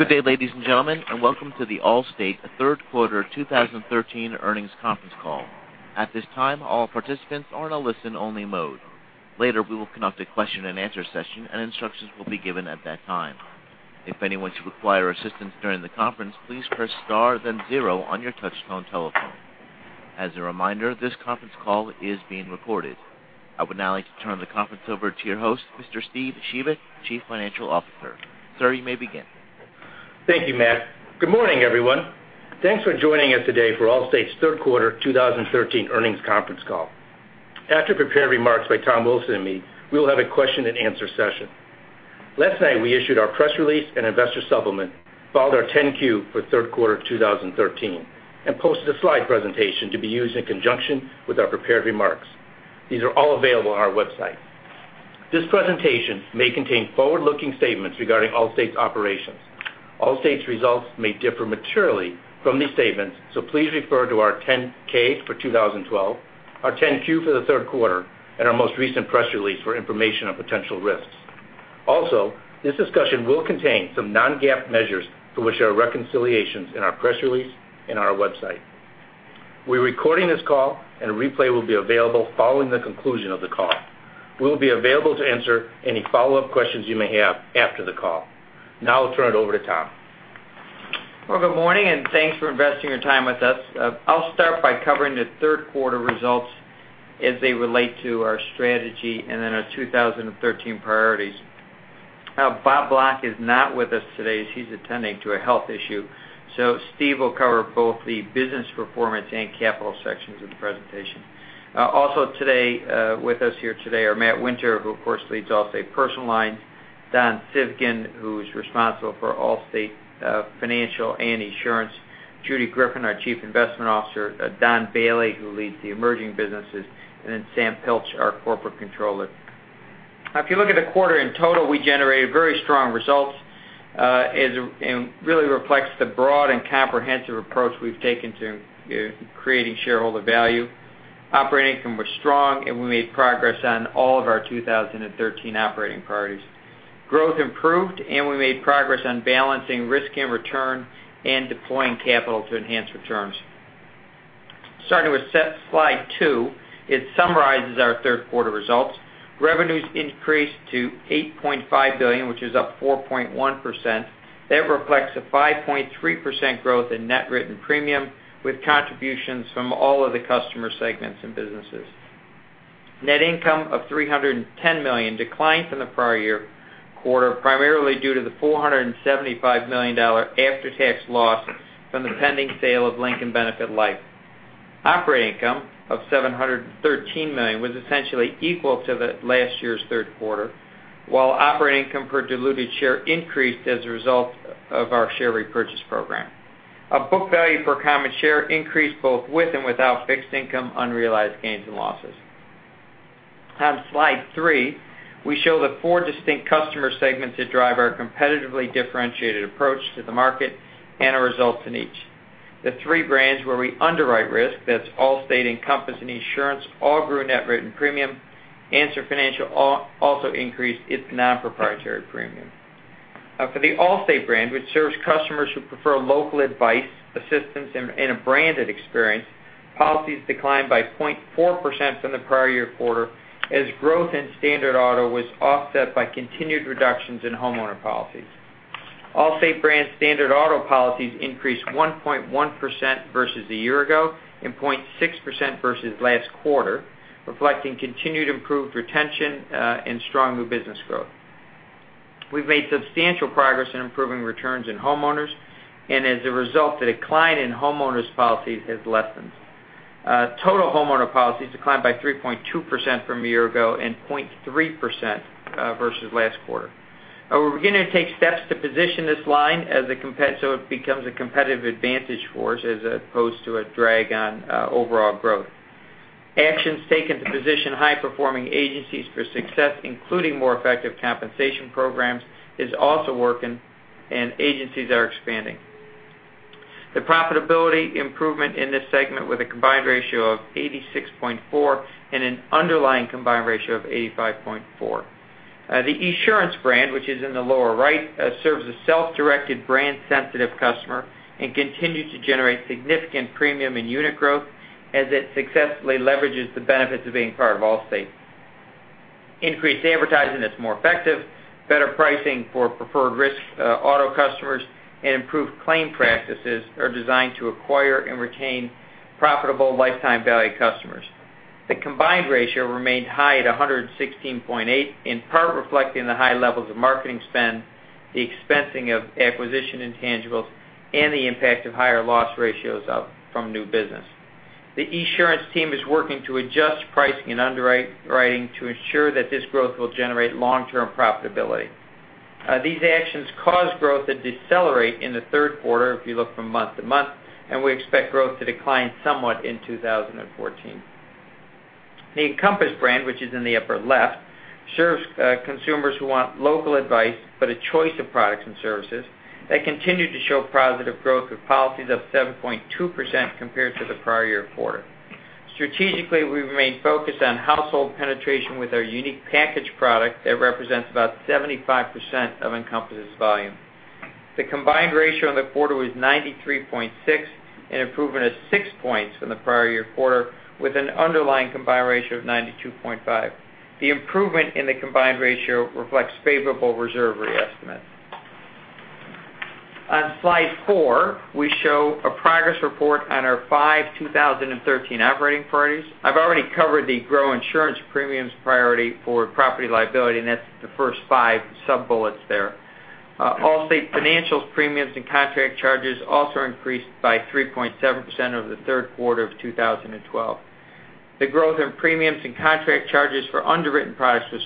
Good day, ladies and gentlemen, and welcome to the Allstate third quarter 2013 earnings conference call. At this time, all participants are in a listen-only mode. Later, we will conduct a question and answer session, and instructions will be given at that time. If anyone should require assistance during the conference, please press star then zero on your touchtone telephone. As a reminder, this conference call is being recorded. I would now like to turn the conference over to your host, Mr. Steven Shebik, Chief Financial Officer. Sir, you may begin. Thank you, Matt. Good morning, everyone. Thanks for joining us today for Allstate's third quarter 2013 earnings conference call. After prepared remarks by Tom Wilson and me, we will have a question and answer session. Last night, we issued our press release and investor supplement, filed our 10-Q for third quarter 2013, and posted a slide presentation to be used in conjunction with our prepared remarks. These are all available on our website. This presentation may contain forward-looking statements regarding Allstate's operations. Allstate's results may differ materially from these statements, so please refer to our 10-K for 2012, our 10-Q for the third quarter, and our most recent press release for information on potential risks. Also, this discussion will contain some non-GAAP measures for which there are reconciliations in our press release on our website. We're recording this call, and a replay will be available following the conclusion of the call. We'll be available to answer any follow-up questions you may have after the call. Now I'll turn it over to Tom. Well, good morning, and thanks for investing your time with us. I'll start by covering the third quarter results as they relate to our strategy and then our 2013 priorities. Bob Block is not with us today as he's attending to a health issue, so Steve will cover both the business performance and capital sections of the presentation. Also today, with us here today are Matt Winter, who of course leads Allstate Personal Lines, Don Civgin, who's responsible for Allstate Financial and Esurance, Judith Greffin, our chief investment officer, Don Bailey, who leads the emerging businesses, and then Samuel Pilch, our corporate controller. If you look at the quarter in total, we generated very strong results, and really reflects the broad and comprehensive approach we have taken to creating shareholder value. Operating income was strong, and we made progress on all of our 2013 operating priorities. Growth improved, we made progress on balancing risk and return and deploying capital to enhance returns. Starting with slide two, it summarizes our third quarter results. Revenues increased to $8.5 billion, which is up 4.1%. That reflects a 5.3% growth in net written premium, with contributions from all of the customer segments and businesses. Net income of $310 million declined from the prior year quarter, primarily due to the $475 million after-tax loss from the pending sale of Lincoln Benefit Life. Operating income of $713 million was essentially equal to last year's third quarter, while operating income per diluted share increased as a result of our share repurchase program. Our book value per common share increased both with and without fixed income unrealized gains and losses. On slide three, we show the four distinct customer segments that drive our competitively differentiated approach to the market and our results in each. The three brands where we underwrite risk, that's Allstate, Encompass, and Esurance, all grew net written premium. Answer Financial also increased its non-proprietary premium. For the Allstate brand, which serves customers who prefer local advice, assistance, and a branded experience, policies declined by 0.4% from the prior year quarter, as growth in standard auto was offset by continued reductions in homeowner policies. Allstate brand standard auto policies increased 1.1% versus a year ago, and 0.6% versus last quarter, reflecting continued improved retention and strong new business growth. We've made substantial progress in improving returns in homeowners, as a result, the decline in homeowners policies has lessened. Total homeowner policies declined by 3.2% from a year ago, and 0.3% versus last quarter. We're beginning to take steps to position this line so it becomes a competitive advantage for us as opposed to a drag on overall growth. Actions taken to position high-performing agencies for success, including more effective compensation programs, is also working, agencies are expanding. The profitability improvement in this segment, with a combined ratio of 86.4% and an underlying combined ratio of 85.4%. The Esurance brand, which is in the lower right, serves a self-directed, brand-sensitive customer and continues to generate significant premium and unit growth as it successfully leverages the benefits of being part of Allstate. Increased advertising that's more effective, better pricing for preferred risk auto customers, and improved claim practices are designed to acquire and retain profitable lifetime value customers. The combined ratio remained high at 116.8%, in part reflecting the high levels of marketing spend, the expensing of acquisition intangibles, and the impact of higher loss ratios from new business. The Esurance team is working to adjust pricing and underwriting to ensure that this growth will generate long-term profitability. These actions caused growth to decelerate in the third quarter if you look from month to month, we expect growth to decline somewhat in 2014. The Encompass brand, which is in the upper left, serves consumers who want local advice but a choice of products and services that continue to show positive growth, with policies up 7.2% compared to the prior year quarter. Strategically, we remain focused on household penetration with our unique package product that represents about 75% of Encompass' volume. The combined ratio in the quarter was 93.6, an improvement of six points from the prior year quarter, with an underlying combined ratio of 92.5. The improvement in the combined ratio reflects favorable reserve re-estimates. On slide four, we show a progress report on our five 2013 operating priorities. I've already covered the grow insurance premiums priority for property liability, and that's the first five sub-bullets there. Allstate Financial's premiums and contract charges also increased by 3.7% over the third quarter of 2012. The growth in premiums and contract charges for underwritten products was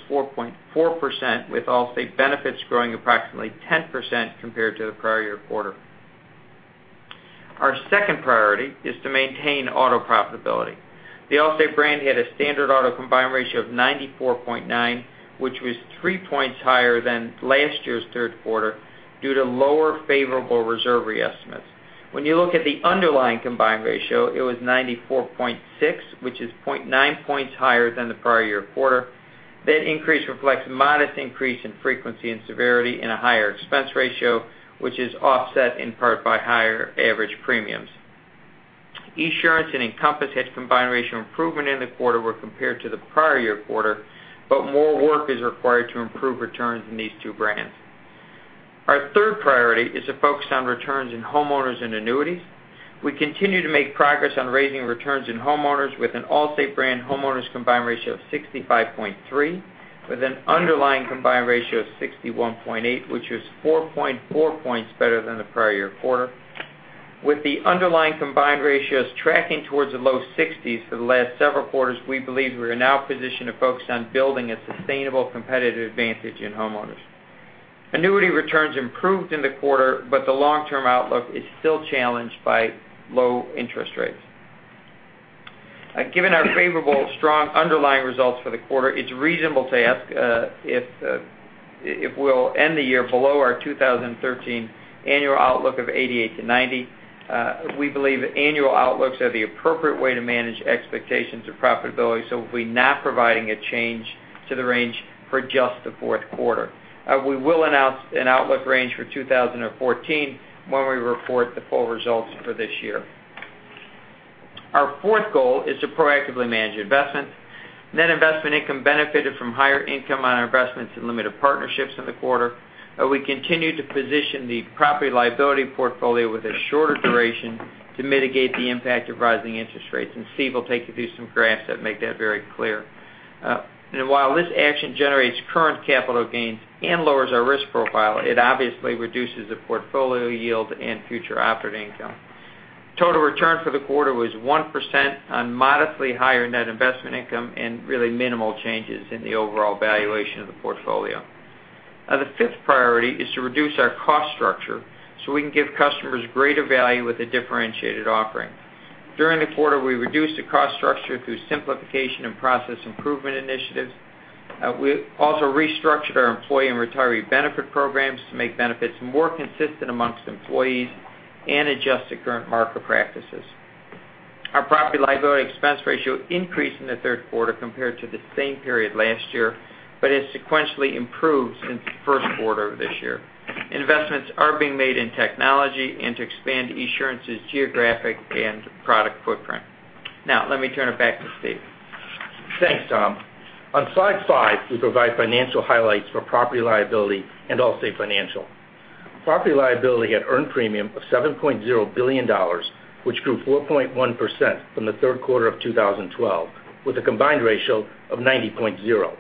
4.4%, with Allstate Benefits growing approximately 10% compared to the prior year quarter. Our second priority is to maintain auto profitability. The Allstate brand had a standard auto combined ratio of 94.9, which was three points higher than last year's third quarter due to lower favorable reserve re-estimates. When you look at the underlying combined ratio, it was 94.6, which is 0.9 points higher than the prior year quarter. That increase reflects a modest increase in frequency and severity and a higher expense ratio, which is offset in part by higher average premiums. Esurance and Encompass had combined ratio improvement in the quarter when compared to the prior year quarter, but more work is required to improve returns in these two brands. Our third priority is to focus on returns in homeowners and annuities. We continue to make progress on raising returns in homeowners with an Allstate brand homeowners combined ratio of 65.3, with an underlying combined ratio of 61.8, which was 4.4 points better than the prior year quarter. With the underlying combined ratios tracking towards the low 60s for the last several quarters, we believe we are now positioned to focus on building a sustainable competitive advantage in homeowners. Annuity returns improved in the quarter, but the long-term outlook is still challenged by low interest rates. Given our favorable, strong underlying results for the quarter, it's reasonable to ask if we'll end the year below our 2013 annual outlook of 88 to 90. We believe annual outlooks are the appropriate way to manage expectations of profitability, so we'll be not providing a change to the range for just the fourth quarter. We will announce an outlook range for 2014 when we report the full results for this year. Our fourth goal is to proactively manage investment. Net investment income benefited from higher income on our investments and limited partnerships in the quarter. We continue to position the property liability portfolio with a shorter duration to mitigate the impact of rising interest rates, Steve will take you through some graphs that make that very clear. While this action generates current capital gains and lowers our risk profile, it obviously reduces the portfolio yield and future operating income. Total return for the quarter was 1% on modestly higher net investment income and really minimal changes in the overall valuation of the portfolio. The fifth priority is to reduce our cost structure so we can give customers greater value with a differentiated offering. During the quarter, we reduced the cost structure through simplification and process improvement initiatives. We also restructured our employee and retiree benefit programs to make benefits more consistent amongst employees and adjust to current market practices. Our property liability expense ratio increased in the third quarter compared to the same period last year. It sequentially improves in the first quarter of this year. Investments are being made in technology and to expand Esurance's geographic and product footprint. Now, let me turn it back to Steve. Thanks, Tom. On slide five, we provide financial highlights for property liability and Allstate Financial. Property liability had earned premium of $7.0 billion, which grew 4.1% from the third quarter of 2012, with a combined ratio of 90.0.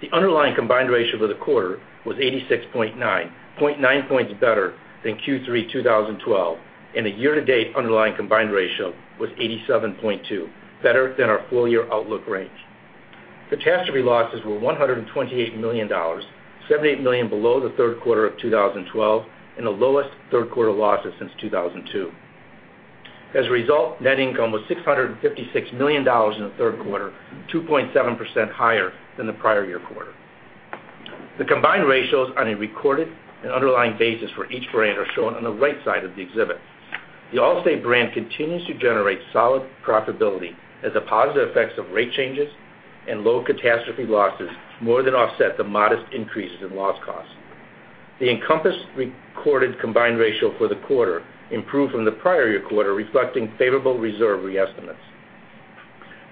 The underlying combined ratio for the quarter was 86.9, 0.9 points better than Q3 2012, and the year-to-date underlying combined ratio was 87.2, better than our full-year outlook range. Catastrophe losses were $128 million, $78 million below the third quarter of 2012, and the lowest third quarter losses since 2002. As a result, net income was $656 million in the third quarter, 2.7% higher than the prior year quarter. The combined ratios on a recorded and underlying basis for each brand are shown on the right side of the exhibit. The Allstate brand continues to generate solid profitability as the positive effects of rate changes and low catastrophe losses more than offset the modest increases in loss costs. The Encompass recorded combined ratio for the quarter improved from the prior year quarter, reflecting favorable reserve re-estimates.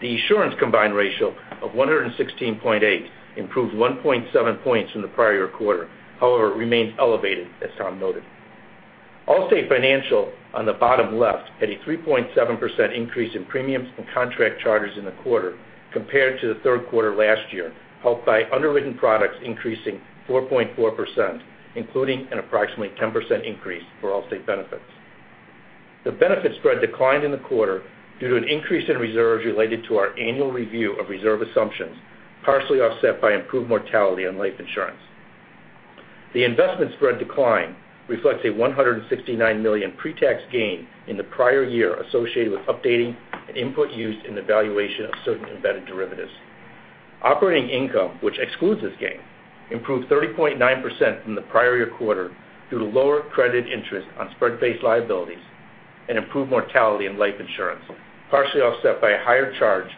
The Esurance combined ratio of 116.8 improved 1.7 points from the prior year quarter, however, remains elevated, as Tom noted. Allstate Financial, on the bottom left, had a 3.7% increase in premiums and contract charges in the quarter compared to the third quarter last year, helped by underwritten products increasing 4.4%, including an approximately 10% increase for Allstate Benefits. The benefit spread declined in the quarter due to an increase in reserves related to our annual review of reserve assumptions, partially offset by improved mortality on life insurance. The investment spread decline reflects a $169 million pre-tax gain in the prior year associated with updating and input used in the valuation of certain embedded derivatives. Operating income, which excludes this gain, improved 30.9% from the prior year quarter due to lower credit interest on spread-based liabilities and improved mortality in life insurance, partially offset by a higher charge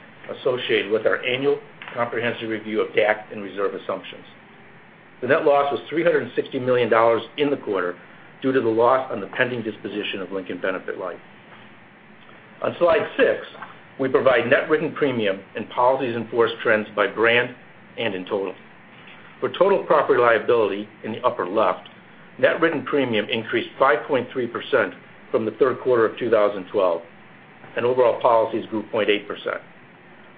associated with our annual comprehensive review of GAAP and reserve assumptions. The net loss was $360 million in the quarter due to the loss on the pending disposition of Lincoln Benefit Life. On slide six, we provide net written premium and policies in force trends by brand and in total. For total property liability in the upper left, net written premium increased 5.3% from the third quarter of 2012, and overall policies grew 0.8%.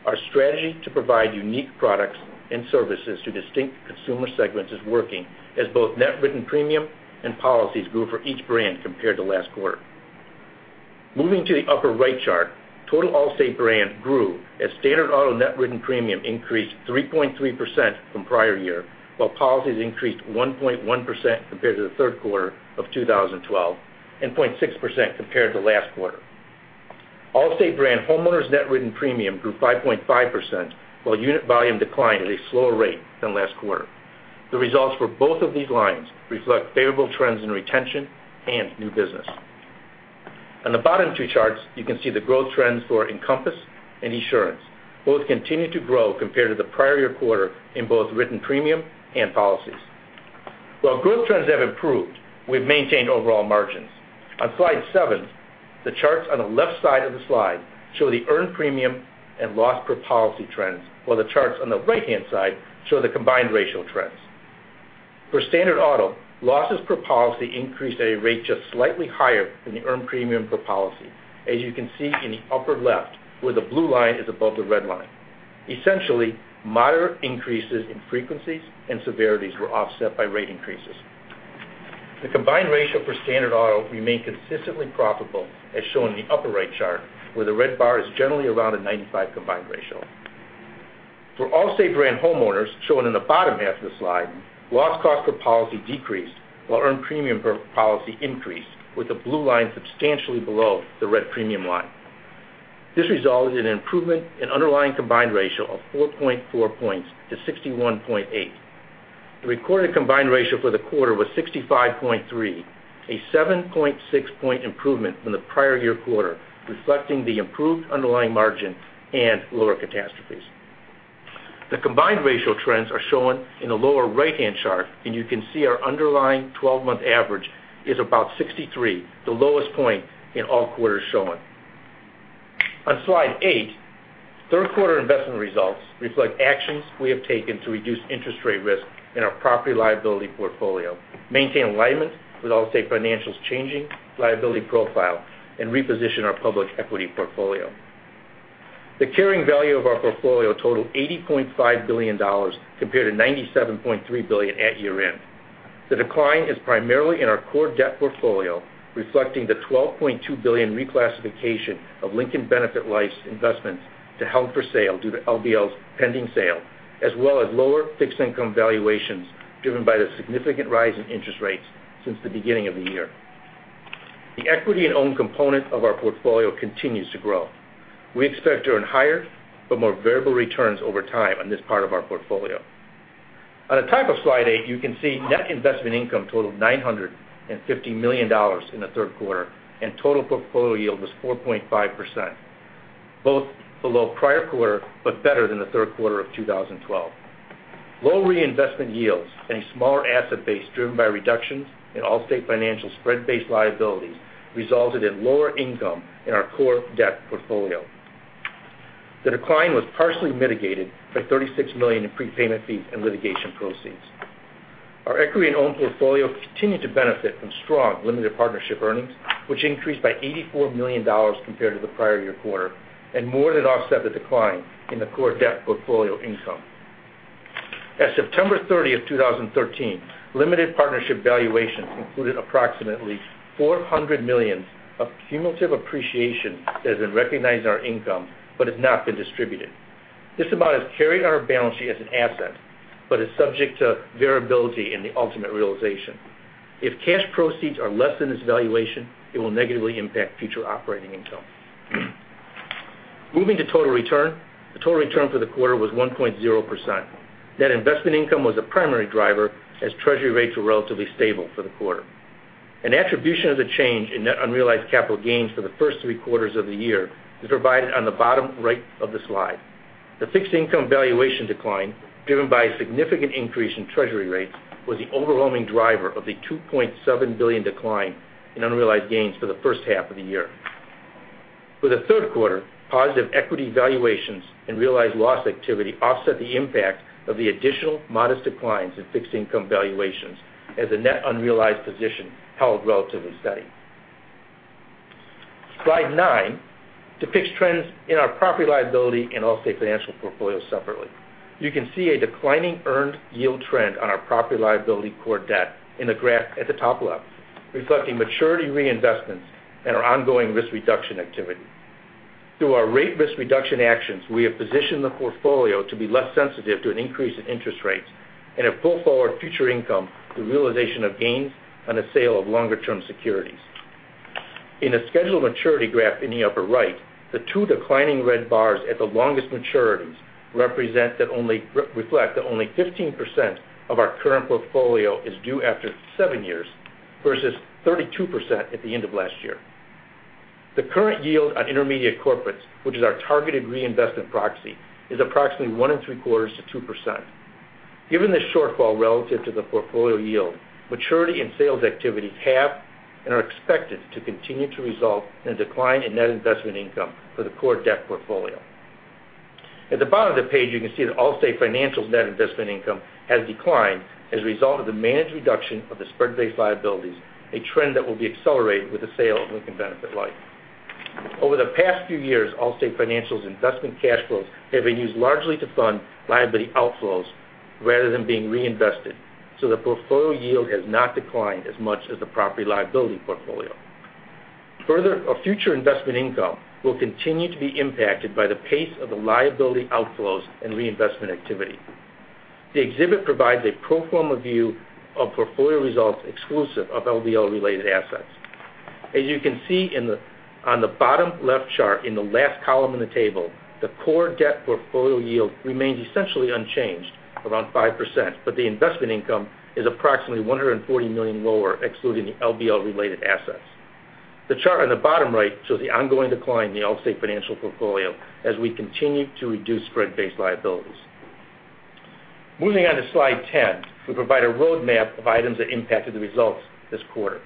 Our strategy to provide unique products and services to distinct consumer segments is working as both net written premium and policies grew for each brand compared to last quarter. Moving to the upper right chart, total Allstate brand grew as standard auto net written premium increased 3.3% from prior year, while policies increased 1.1% compared to the third quarter of 2012 and 0.6% compared to last quarter. Allstate brand homeowners' net written premium grew 5.5%, while unit volume declined at a slower rate than last quarter. The results for both of these lines reflect favorable trends in retention and new business. On the bottom two charts, you can see the growth trends for Encompass and Esurance. Both continue to grow compared to the prior year quarter in both written premium and policies. While growth trends have improved, we've maintained overall margins. On slide seven, the charts on the left side of the slide show the earned premium and loss per policy trends, while the charts on the right-hand side show the combined ratio trends. For standard auto, losses per policy increased at a rate just slightly higher than the earned premium per policy, as you can see in the upper left, where the blue line is above the red line. Essentially, moderate increases in frequencies and severities were offset by rate increases. The combined ratio for standard auto remained consistently profitable, as shown in the upper right chart, where the red bar is generally around a 95 combined ratio. For Allstate brand homeowners, shown in the bottom half of the slide, loss cost per policy decreased while earned premium per policy increased, with the blue line substantially below the red premium line. This resulted in an improvement in underlying combined ratio of 4.4 points to 61.8. The recorded combined ratio for the quarter was 65.3, a 7.6 point improvement from the prior year quarter, reflecting the improved underlying margin and lower catastrophes. The combined ratio trends are shown in the lower right-hand chart. You can see our underlying 12-month average is about 63, the lowest point in all quarters shown. On slide eight, third quarter investment results reflect actions we have taken to reduce interest rate risk in our property liability portfolio, maintain alignment with Allstate Financial's changing liability profile, and reposition our public equity portfolio. The carrying value of our portfolio totaled $80.5 billion compared to $97.3 billion at year-end. The decline is primarily in our core debt portfolio, reflecting the $12.2 billion reclassification of Lincoln Benefit Life's investments to held for sale due to LBL's pending sale, as well as lower fixed income valuations driven by the significant rise in interest rates since the beginning of the year. The equity and owned component of our portfolio continues to grow. We expect to earn higher but more variable returns over time on this part of our portfolio. On the top of slide eight, you can see net investment income totaled $950 million in the third quarter. Total portfolio yield was 4.5%, both below prior quarter but better than the third quarter of 2012. Lower reinvestment yields and a smaller asset base driven by reductions in Allstate Financial's spread-based liabilities resulted in lower income in our core debt portfolio. The decline was partially mitigated by $36 million in prepayment fees and litigation proceeds. Our equity and owned portfolio continued to benefit from strong limited partnership earnings, which increased by $84 million compared to the prior year quarter and more than offset the decline in the core debt portfolio income. As of September 30th, 2013, limited partnership valuations included approximately $400 million of cumulative appreciation that is recognized in our income but has not been distributed. This amount is carried on our balance sheet as an asset, but is subject to variability in the ultimate realization. If cash proceeds are less than this valuation, it will negatively impact future operating income. Moving to total return, the total return for the quarter was 1.0%. Net investment income was a primary driver as Treasury rates were relatively stable for the quarter. An attribution of the change in net unrealized capital gains for the first three quarters of the year is provided on the bottom right of the slide. The fixed income valuation decline, driven by a significant increase in Treasury rates, was the overwhelming driver of the $2.7 billion decline in unrealized gains for the first half of the year. For the third quarter, positive equity valuations and realized loss activity offset the impact of the additional modest declines in fixed income valuations as the net unrealized position held relatively steady. Slide nine depicts trends in our property & liability and Allstate Financial portfolios separately. You can see a declining earned yield trend on our property & liability core debt in the graph at the top left, reflecting maturity reinvestments and our ongoing risk reduction activity. Through our rate risk reduction actions, we have positioned the portfolio to be less sensitive to an increase in interest rates and have pulled forward future income through realization of gains on the sale of longer-term securities. In the scheduled maturity graph in the upper right, the two declining red bars at the longest maturities reflect that only 15% of our current portfolio is due after seven years versus 32% at the end of last year. The current yield on intermediate corporates, which is our targeted reinvestment proxy, is approximately one and three quarters to 2%. Given the shortfall relative to the portfolio yield, maturity and sales activities have and are expected to continue to result in a decline in net investment income for the core debt portfolio. At the bottom of the page, you can see that Allstate Financial's net investment income has declined as a result of the managed reduction of the spread-based liabilities, a trend that will be accelerated with the sale of Lincoln Benefit Life. Over the past few years, Allstate Financial's investment cash flows have been used largely to fund liability outflows rather than being reinvested, so the portfolio yield has not declined as much as the property & liability portfolio. Further, our future investment income will continue to be impacted by the pace of the liability outflows and reinvestment activity. The exhibit provides a pro forma view of portfolio results exclusive of LBL-related assets. As you can see on the bottom left chart in the last column in the table, the core debt portfolio yield remains essentially unchanged around 5%, but the investment income is approximately $140 million lower, excluding the LBL-related assets. The chart on the bottom right shows the ongoing decline in the Allstate Financial portfolio as we continue to reduce spread-based liabilities. Moving on to slide 10, we provide a roadmap of items that impacted the results this quarter.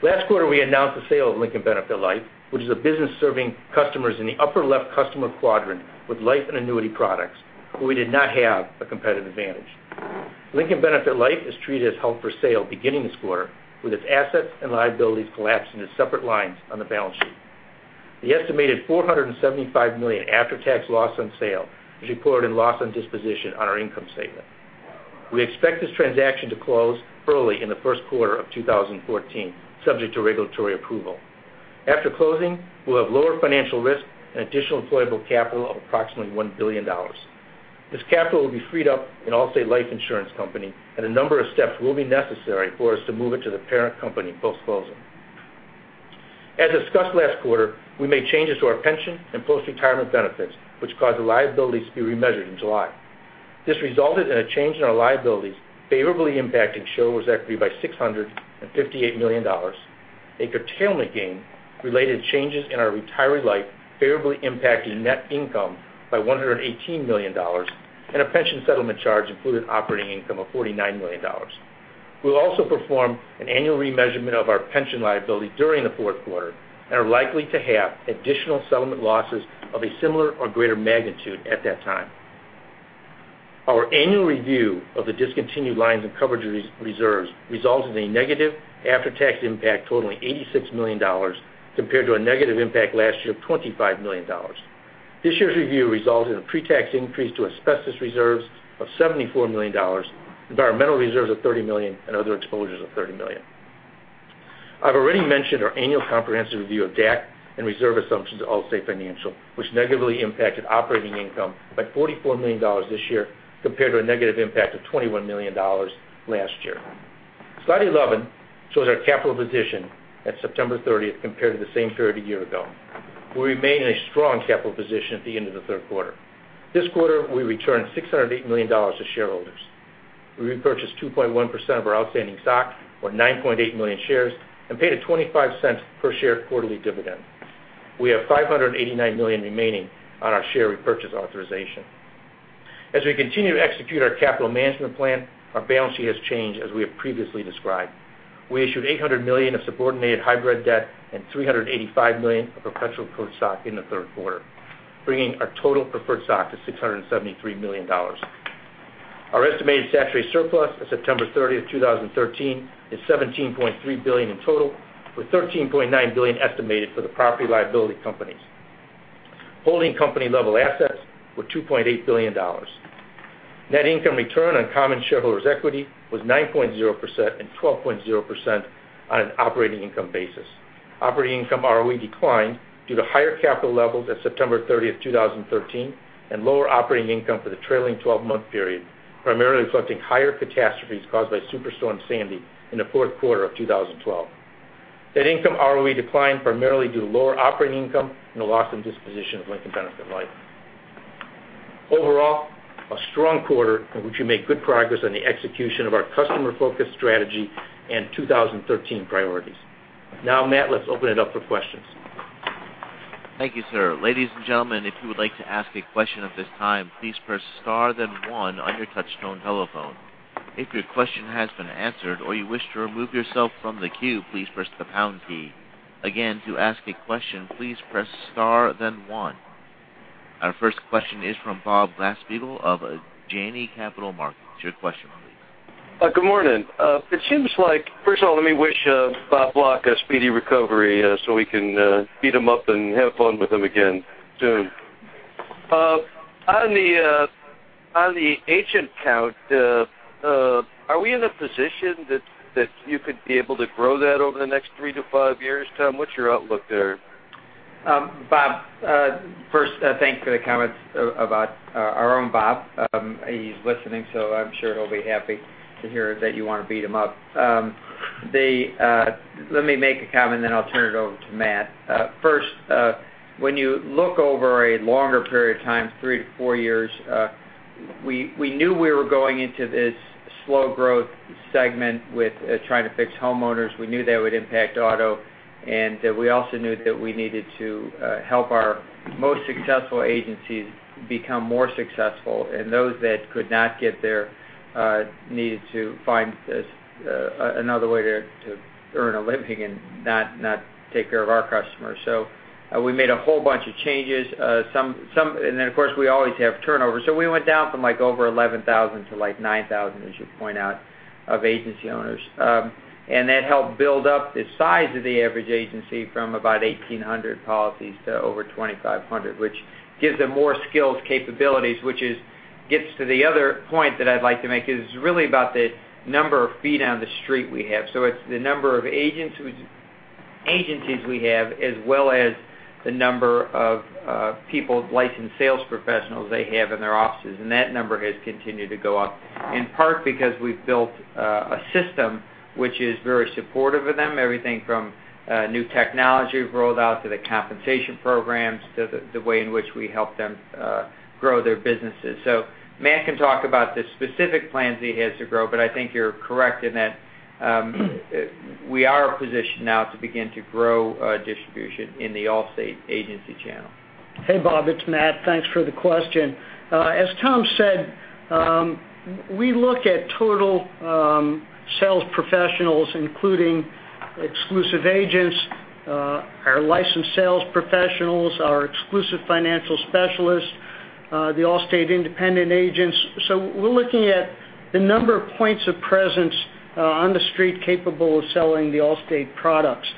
Last quarter, we announced the sale of Lincoln Benefit Life, which is a business serving customers in the upper left customer quadrant with life and annuity products, where we did not have a competitive advantage. Lincoln Benefit Life is treated as held for sale beginning this quarter, with its assets and liabilities collapsed into separate lines on the balance sheet. The estimated $475 million after-tax loss on sale is reported in loss on disposition on our income statement. We expect this transaction to close early in the first quarter of 2014, subject to regulatory approval. After closing, we'll have lower financial risk and additional deployable capital of approximately $1 billion. This capital will be freed up in Allstate Life Insurance Company, a number of steps will be necessary for us to move it to the parent company post-closing. As discussed last quarter, we made changes to our pension and post-retirement benefits, which caused the liabilities to be remeasured in July. This resulted in a change in our liabilities favorably impacting shareholders' equity by $658 million, a curtailment gain related to changes in our retiree life favorably impacting net income by $118 million, and a pension settlement charge included operating income of $49 million. We'll also perform an annual remeasurement of our pension liability during the fourth quarter and are likely to have additional settlement losses of a similar or greater magnitude at that time. Our annual review of the discontinued lines and coverage reserves resulted in a negative after-tax impact totaling $86 million compared to a negative impact last year of $25 million. This year's review resulted in a pre-tax increase to asbestos reserves of $74 million, environmental reserves of $30 million, and other exposures of $30 million. I've already mentioned our annual comprehensive review of DAC and reserve assumptions at Allstate Financial, which negatively impacted operating income by $44 million this year, compared to a negative impact of $21 million last year. Slide 11 shows our capital position at September 30th compared to the same period a year ago. We remain in a strong capital position at the end of the third quarter. This quarter, we returned $608 million to shareholders. We repurchased 2.1% of our outstanding stock, or 9.8 million shares, and paid a $0.25 per share quarterly dividend. We have $589 million remaining on our share repurchase authorization. As we continue to execute our capital management plan, our balance sheet has changed as we have previously described. We issued $800 million of subordinated hybrid debt and $385 million of perpetual preferred stock in the third quarter, bringing our total preferred stock to $673 million. Our estimated statutory surplus as of September 30th, 2013, is $17.3 billion in total, with $13.9 billion estimated for the property & liability companies. Holding company level assets were $2.8 billion. Net income return on common shareholders' equity was 9.0% and 12.0% on an operating income basis. Operating income ROE declined due to higher capital levels at September 30th, 2013, and lower operating income for the trailing 12-month period, primarily reflecting higher catastrophes caused by Superstorm Sandy in the fourth quarter of 2012. Net income ROE declined primarily due to lower operating income and the loss on disposition of Lincoln Benefit Life. Overall, a strong quarter in which we made good progress on the execution of our customer-focused strategy and 2013 priorities. Matt, let's open it up for questions. Thank you, sir. Ladies and gentlemen, if you would like to ask a question at this time, please press star then one on your touchtone telephone. If your question has been answered or you wish to remove yourself from the queue, please press the pound key. Again, to ask a question, please press star then one. Our first question is from Bob Glasspiegel of Janney Montgomery Scott. Your question, please. Good morning. First of all, let me wish Robert Block a speedy recovery so we can beat him up and have fun with him again soon. On the agent count, are we in a position that you could be able to grow that over the next three to five years, Tom? What's your outlook there? Bob, first, thanks for the comments about our own Bob. He's listening, so I'm sure he'll be happy to hear that you want to beat him up. Let me make a comment, then I'll turn it over to Matt. First, when you look over a longer period of time, three to four years, we knew we were going into this slow growth segment with trying to fix homeowners. We knew that would impact auto, we also knew that we needed to help our most successful agencies become more successful, and those that could not get there needed to find another way to earn a living and not take care of our customers. We made a whole bunch of changes. Then, of course, we always have turnover. We went down from over 11,000 to 9,000, as you point out, of agency owners. That helped build up the size of the average agency from about 1,800 policies to over 2,500, which gives them more skills capabilities, which gets to the other point that I'd like to make, is really about the number of feet on the street we have. It's the number of agencies we have, as well as the number of people, licensed sales professionals, they have in their offices, and that number has continued to go up, in part because we've built a system which is very supportive of them. Everything from new technology we've rolled out to the compensation programs to the way in which we help them grow their businesses. Matt can talk about the specific plans he has to grow, but I think you're correct in that we are positioned now to begin to grow distribution in the Allstate agency channel. Hey, Bob, it's Matt. Thanks for the question. As Tom said, we look at total sales professionals, including exclusive agents, our licensed sales professionals, our exclusive financial specialists, the Allstate independent agents. We're looking at the number of points of presence on the street capable of selling the Allstate products.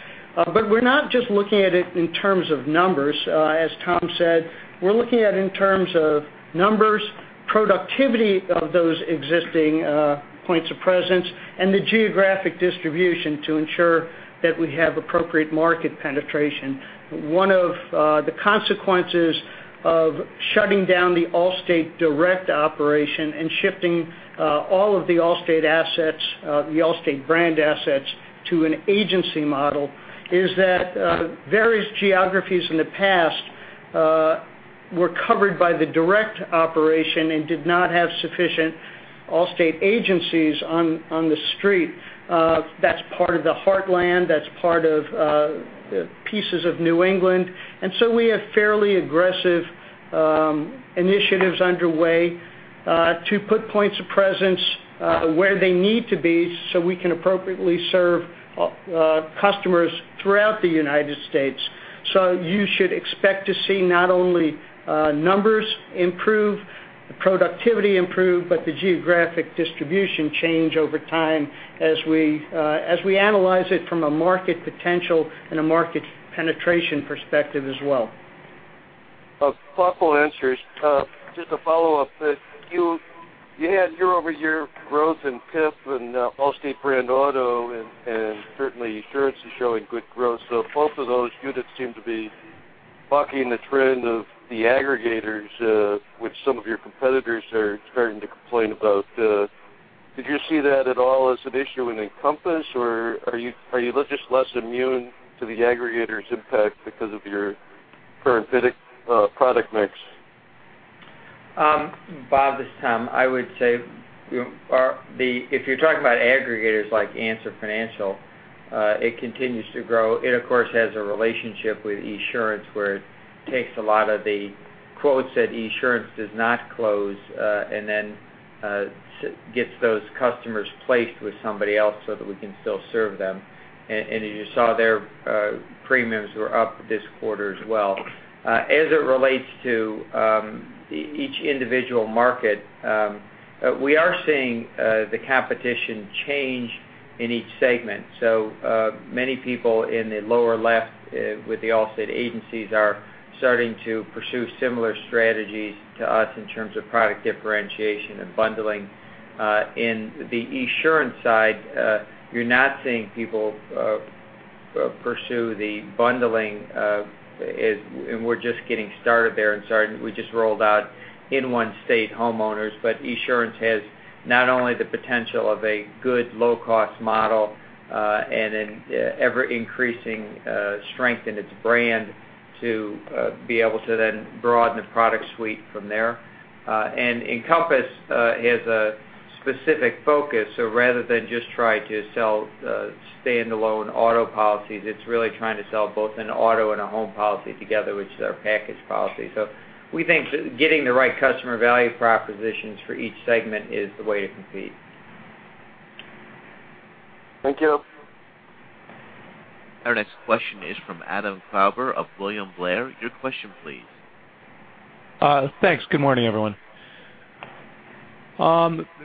We're not just looking at it in terms of numbers, as Tom said. We're looking at it in terms of numbers, productivity of those existing points of presence, and the geographic distribution to ensure that we have appropriate market penetration. One of the consequences of shutting down the Allstate direct operation and shifting all of the Allstate brand assets to an agency model is that various geographies in the past were covered by the direct operation and did not have sufficient Allstate agencies on the street. That's part of the Heartland, that's part of pieces of New England. We have fairly aggressive initiatives underway to put points of presence where they need to be so we can appropriately serve customers throughout the U.S. You should expect to see not only numbers improve, productivity improve, but the geographic distribution change over time as we analyze it from a market potential and a market penetration perspective as well. Thoughtful answers. Just a follow-up. You had year-over-year growth in PIP and Allstate brand auto, and certainly Esurance is showing good growth. Both of those units seem to be bucking the trend of the aggregators, which some of your competitors are starting to complain about. Did you see that at all as an issue in Encompass, or are you just less immune to the aggregators' impact because of your current product mix? Bob, this is Tom. I would say, if you're talking about aggregators like Answer Financial, it continues to grow. It, of course, has a relationship with Esurance, where it takes a lot of the quotes that Esurance does not close and then gets those customers placed with somebody else so that we can still serve them. As you saw, their premiums were up this quarter as well. As it relates to each individual market, we are seeing the competition change in each segment. Many people in the lower left with the Allstate agencies are starting to pursue similar strategies to us in terms of product differentiation and bundling. In the Esurance side, you're not seeing people pursue the bundling, we're just getting started there, and we just rolled out in one state, homeowners. Esurance has not only the potential of a good low-cost model and an ever-increasing strength in its brand to be able to then broaden the product suite from there. Encompass has a specific focus, rather than just try to sell standalone auto policies, it's really trying to sell both an auto and a home policy together, which is our package policy. We think getting the right customer value propositions for each segment is the way to compete. Thank you. Our next question is from Adam Klauber of William Blair. Your question, please. Thanks. Good morning, everyone.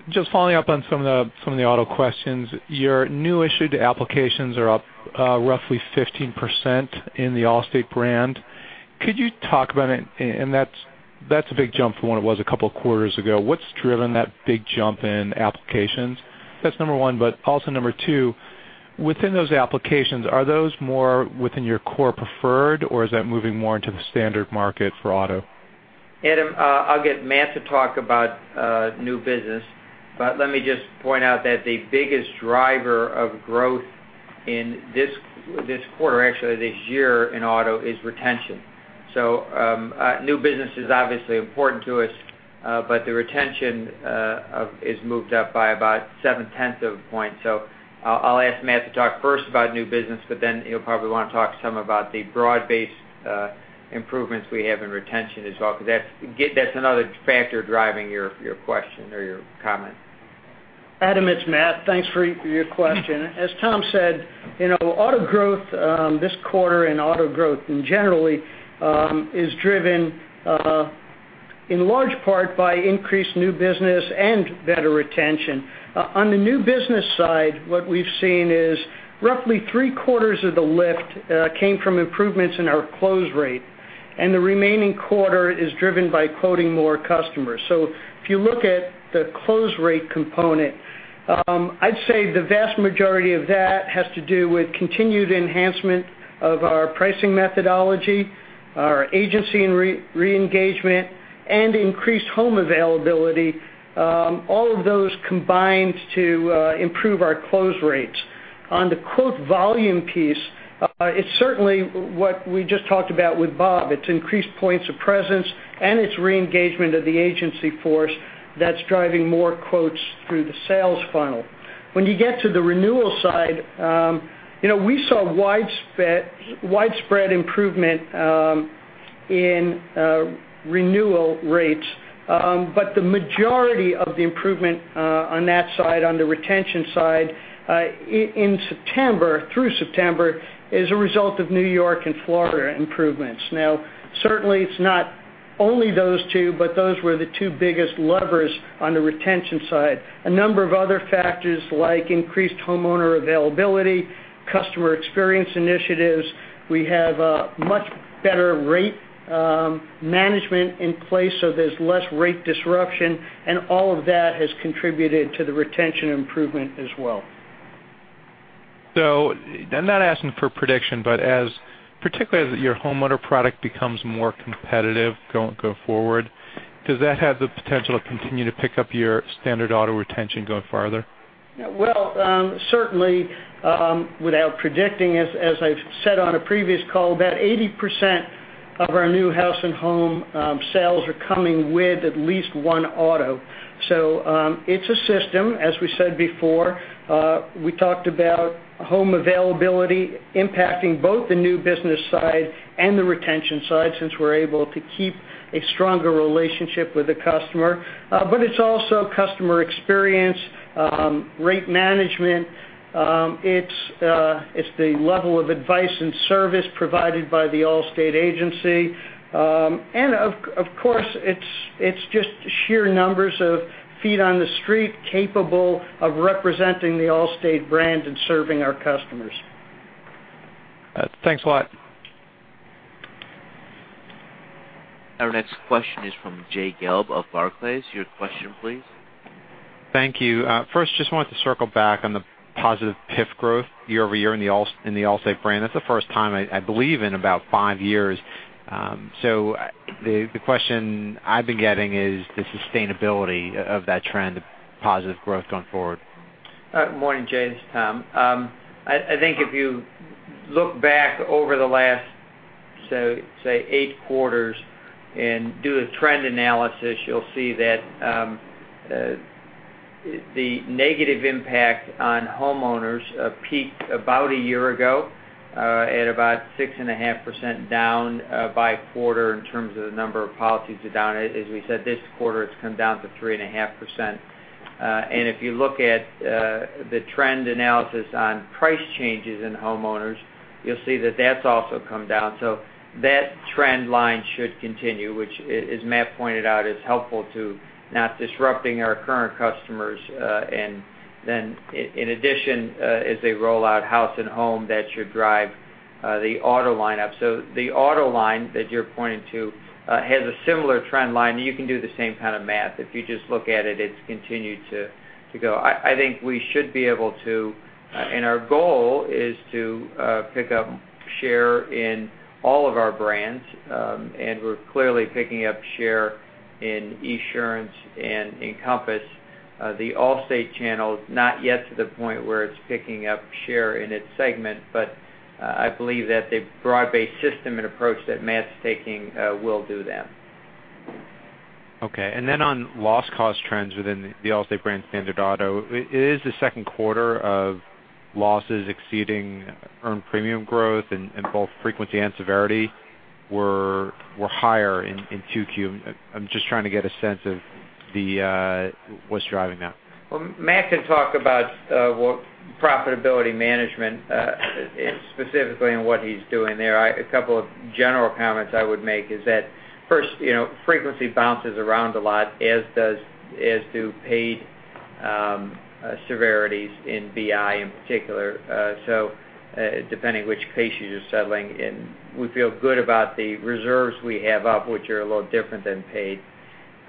Just following up on some of the auto questions. Your new issued applications are up roughly 15% in the Allstate brand. Could you talk about it? That's a big jump from what it was a couple of quarters ago. What's driven that big jump in applications? That's number one, but also number two, within those applications, are those more within your core preferred, or is that moving more into the standard market for auto? Adam, I'll get Matt to talk about new business. Let me just point out that the biggest driver of growth in this quarter, actually this year in auto, is retention. New business is obviously important to us, but the retention is moved up by about seven-tenths of a point. I'll ask Matt to talk first about new business, but then he'll probably want to talk some about the broad-based improvements we have in retention as well, because that's another factor driving your question or your comment. Adam, it's Matt. Thanks for your question. As Tom said, auto growth this quarter and auto growth in generally, is driven in large part by increased new business and better retention. On the new business side, what we've seen is roughly three-quarters of the lift came from improvements in our close rate, and the remaining quarter is driven by quoting more customers. If you look at the close rate component, I'd say the vast majority of that has to do with continued enhancement of our pricing methodology, our agency re-engagement, and increased home availability. All of those combined to improve our close rates. On the quote volume piece, it's certainly what we just talked about with Bob. It's increased points of presence, and it's re-engagement of the agency force that's driving more quotes through the sales funnel. When you get to the renewal side, we saw widespread improvement in renewal rates. The majority of the improvement on that side, on the retention side, through September, is a result of New York and Florida improvements. Certainly it's not only those two, but those were the two biggest levers on the retention side. A number of other factors like increased homeowner availability, customer experience initiatives. We have a much better rate management in place, so there's less rate disruption, and all of that has contributed to the retention improvement as well. I'm not asking for prediction, as particularly as your homeowner product becomes more competitive going forward, does that have the potential to continue to pick up your standard auto retention going farther? Well, certainly, without predicting it, as I've said on a previous call, about 80% of our new House & Home sales are coming with at least one auto. It's a system, as we said before. We talked about home availability impacting both the new business side and the retention side, since we're able to keep a stronger relationship with the customer. It's also customer experience, rate management. It's the level of advice and service provided by the Allstate agency. Of course, it's just sheer numbers of feet on the street capable of representing the Allstate brand and serving our customers. Thanks a lot. Our next question is from Jay Gelb of Barclays. Your question please. Thank you. First, just wanted to circle back on the positive PIF growth year-over-year in the Allstate brand. That's the first time, I believe, in about five years. The question I've been getting is the sustainability of that trend of positive growth going forward. Morning, Jay. This is Tom. I think if you look back over the last, say, eight quarters and do a trend analysis, you'll see that the negative impact on homeowners peaked about a year ago at about 6.5% down by quarter in terms of the number of policies are down. As we said, this quarter it's come down to 3.5%. If you look at the trend analysis on price changes in homeowners, you'll see that that's also come down. That trend line should continue, which, as Matt pointed out, is helpful to not disrupting our current customers. In addition, as they roll out House & Home, that should drive the auto lineup. The auto line that you're pointing to has a similar trend line. You can do the same kind of math. If you just look at it's continued to go. I think we should be able to, our goal is to pick up share in all of our brands, and we're clearly picking up share in Esurance and Encompass. The Allstate channel is not yet to the point where it's picking up share in its segment, I believe that the broad-based system and approach that Matt's taking will do that. Okay, on loss cost trends within the Allstate brand standard auto, it is the second quarter of losses exceeding earned premium growth in both frequency and severity were higher in 2Q. I'm just trying to get a sense of what's driving that. Well, Matt can talk about profitability management, specifically on what he's doing there. A couple of general comments I would make is that first, frequency bounces around a lot, as do paid severity in BI in particular. Depending which cases you're settling in, we feel good about the reserves we have up, which are a little different than paid.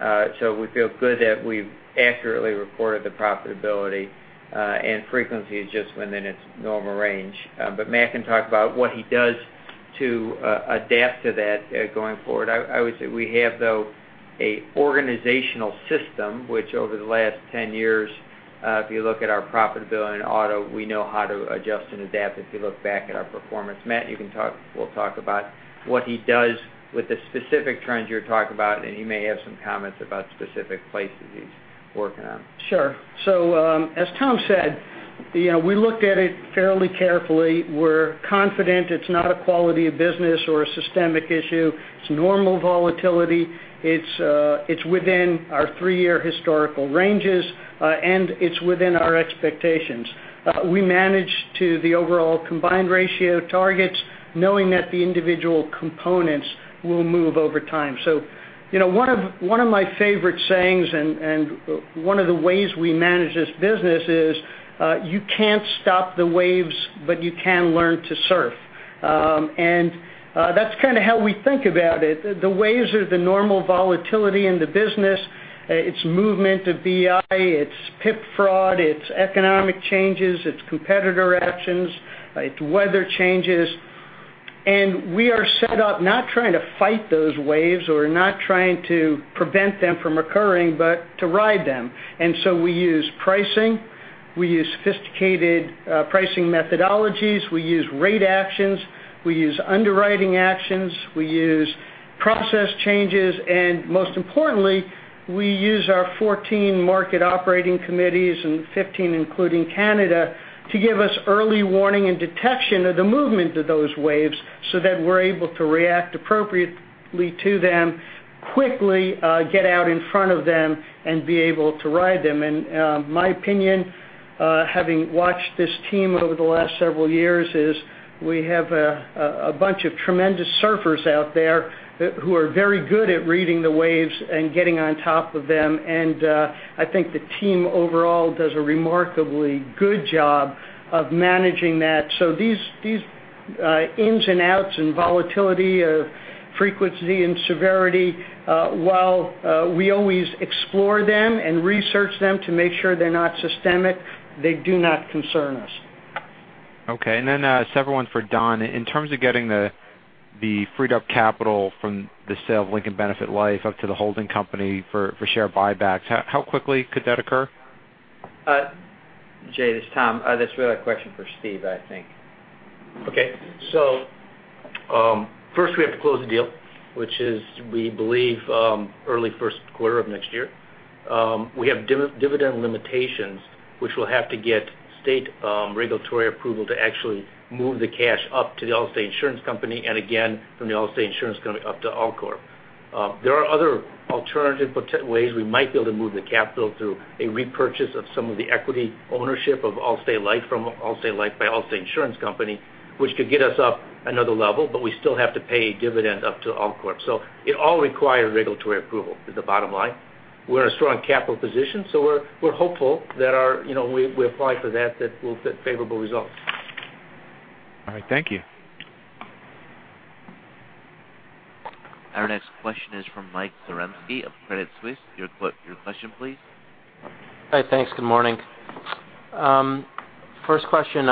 We feel good that we've accurately reported the profitability, and frequency is just within its normal range. Matt can talk about what he does to adapt to that going forward. I would say we have, though, an organizational system, which over the last 10 years, if you look at our profitability in auto, we know how to adjust and adapt if you look back at our performance. Matt, you can talk. We'll talk about what he does with the specific trends you're talking about, and he may have some comments about specific places he's working on. Sure. As Tom said, we looked at it fairly carefully. We're confident it's not a quality of business or a systemic issue. It's normal volatility. It's within our 3-year historical ranges, and it's within our expectations. We manage to the overall combined ratio targets, knowing that the individual components will move over time. One of my favorite sayings and one of the ways we manage this business is, you can't stop the waves, but you can learn to surf. That's kind of how we think about it. The waves are the normal volatility in the business. It's movement of BI, it's PIP fraud, it's economic changes, it's competitor actions, it's weather changes. We are set up not trying to fight those waves or not trying to prevent them from occurring, but to ride them. We use pricing, we use sophisticated pricing methodologies, we use rate actions, we use underwriting actions, we use process changes, and most importantly, we use our 14 Market Operating Committees and 15 including Canada, to give us early warning and detection of the movement of those waves so that we're able to react appropriately to them quickly, get out in front of them and be able to ride them. My opinion, having watched this team over the last several years, is we have a bunch of tremendous surfers out there who are very good at reading the waves and getting on top of them. I think the team overall does a remarkably good job of managing that. these ins and outs and volatility of frequency and severity, while we always explore them and research them to make sure they're not systemic, they do not concern us. several ones for Don. In terms of getting the freed up capital from the sale of Lincoln Benefit Life up to the holding company for share buybacks, how quickly could that occur? Jay, this is Tom. That's really a question for Steve, I think. first we have to close the deal, which is, we believe, early first quarter of next year. We have dividend limitations, which will have to get state regulatory approval to actually move the cash up to the Allstate Insurance Company, and again, from the Allstate Insurance Company up to Allcorp. There are other alternative ways we might be able to move the capital through a repurchase of some of the equity ownership of Allstate Life from Allstate Life by Allstate Insurance Company, which could get us up another level, but we still have to pay a dividend up to Allcorp. It all requires regulatory approval, is the bottom line. We're in a strong capital position, so we're hopeful that we apply for that we'll get favorable results. All right. Thank you. Our next question is from Michael Zaremski of Credit Suisse. Your question, please. Hi, thanks. Good morning. First question,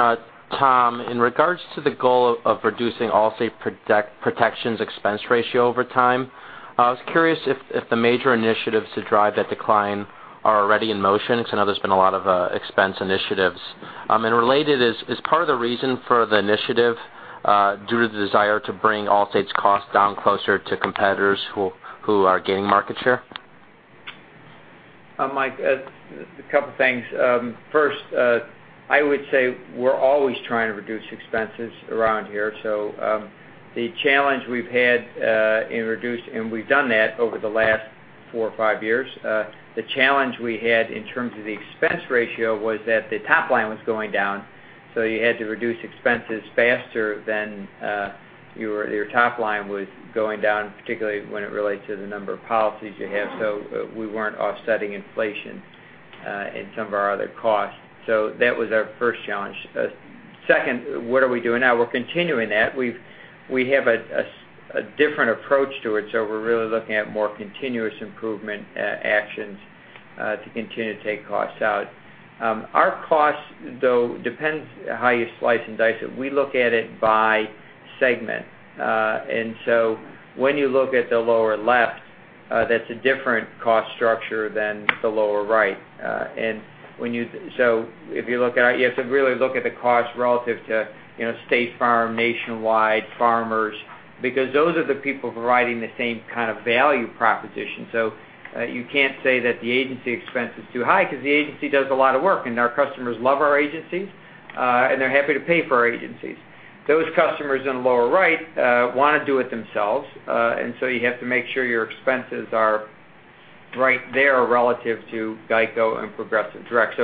Tom. In regards to the goal of reducing Allstate Protections expense ratio over time, I was curious if the major initiatives to drive that decline are already in motion, because I know there's been a lot of expense initiatives. Related, is part of the reason for the initiative due to the desire to bring Allstate's cost down closer to competitors who are gaining market share? Mike, a couple of things. First, I would say we're always trying to reduce expenses around here. The challenge we've had in reduced, and we've done that over the last four or five years. The challenge we had in terms of the expense ratio was that the top line was going down, you had to reduce expenses faster than your top line was going down, particularly when it relates to the number of policies you have. We weren't offsetting inflation in some of our other costs. That was our first challenge. Second, what are we doing now? We're continuing that. We have a different approach to it, we're really looking at more continuous improvement actions to continue to take costs out. Our cost, though, depends how you slice and dice it. We look at it by segment. When you look at the lower left, that's a different cost structure than the lower right. You have to really look at the cost relative to State Farm, Nationwide, Farmers, because those are the people providing the same kind of value proposition. You can't say that the agency expense is too high because the agency does a lot of work, and our customers love our agencies, and they're happy to pay for our agencies. Those customers in the lower right want to do it themselves, you have to make sure your expenses are right there relative to GEICO and Progressive Direct.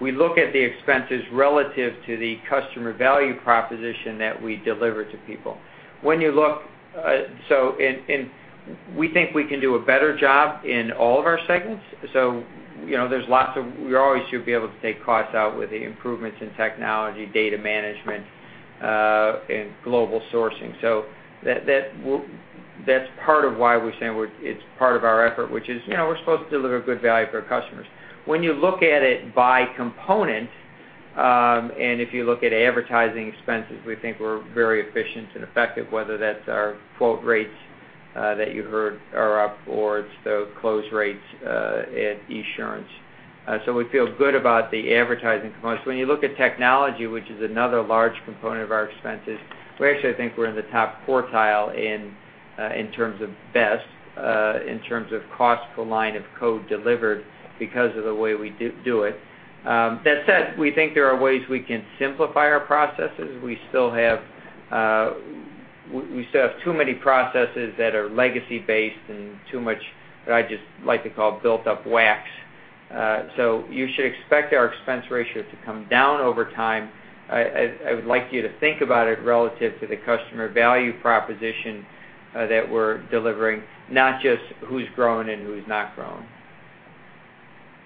We look at the expenses relative to the customer value proposition that we deliver to people. We think we can do a better job in all of our segments. We always should be able to take costs out with the improvements in technology, data management and global sourcing. That's part of why we're saying it's part of our effort, which is we're supposed to deliver good value for our customers. When you look at it by component, and if you look at advertising expenses, we think we're very efficient and effective, whether that's our quote rates that you heard are up or it's the close rates at Esurance. We feel good about the advertising component. When you look at technology, which is another large component of our expenses, we actually think we're in the top quartile in terms of best, in terms of cost per line of code delivered, because of the way we do it. That said, we think there are ways we can simplify our processes. We still have too many processes that are legacy-based and too much that I just like to call built-up wax. You should expect our expense ratio to come down over time. I would like you to think about it relative to the customer value proposition that we're delivering, not just who's growing and who's not growing.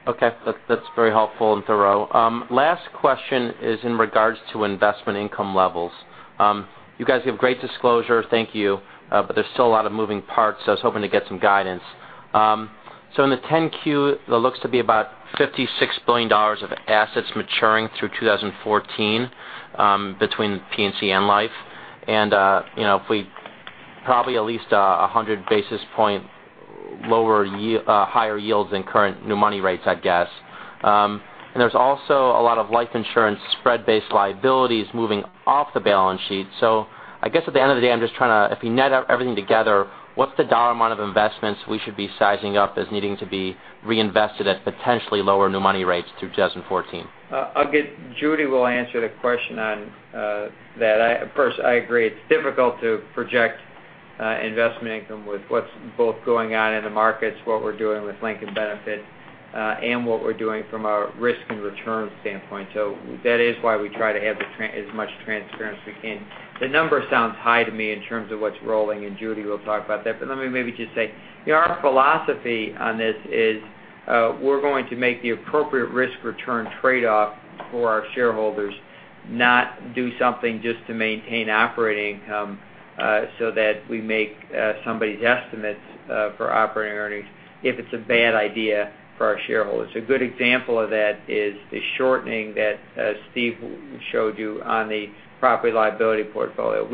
Okay. That's very helpful and thorough. Last question is in regards to investment income levels. You guys give great disclosure, thank you. There's still a lot of moving parts, so I was hoping to get some guidance. In the 10-Q, there looks to be about $56 billion of assets maturing through 2014 between P&C and Life. If we probably at least 100 basis points higher yields than current new money rates, I'd guess. There's also a lot of life insurance spread-based liabilities moving off the balance sheet. I guess at the end of the day, I'm just trying to, if we net out everything together, what's the dollar amount of investments we should be sizing up as needing to be reinvested at potentially lower new money rates through 2014? Judy will answer the question on that. First, I agree, it's difficult to project investment income with what's both going on in the markets, what we're doing with Lincoln Benefit, and what we're doing from a risk and return standpoint. That is why we try to have as much transparency as we can. The number sounds high to me in terms of what's rolling, and Judy will talk about that. Let me maybe just say, our philosophy on this is we're going to make the appropriate risk return trade-off for our shareholders, not do something just to maintain operating income so that we make somebody's estimates for operating earnings if it's a bad idea for our shareholders. A good example of that is the shortening that Steve showed you on the property liability portfolio.